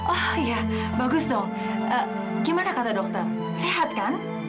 oh iya bagus dong gimana kata dokter sehat kan